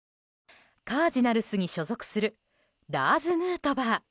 カージナルスに所属するラーズ・ヌートバー。